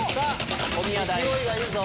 勢いがいいぞ。